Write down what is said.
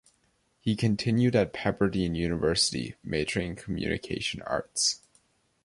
He continued at Pepperdine University, majoring in Communication Arts.